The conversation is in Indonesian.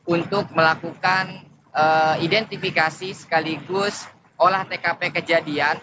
untuk melakukan identifikasi sekaligus olah tkp kejadian